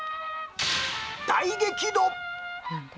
大激怒。